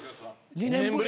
２年ぶり。